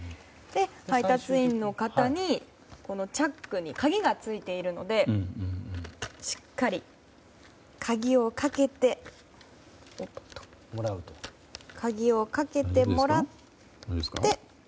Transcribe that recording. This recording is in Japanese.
配達員の方にチャックに鍵がついているのでしっかり鍵をかけてもらって。